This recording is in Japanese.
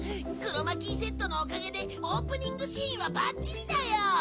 クロマキーセットのおかげでオープニングシーンはバッチリだよ。